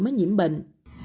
để chữa bệnh